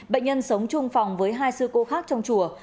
bệnh nhân sống chung phòng với hai sư cô khác trong chùa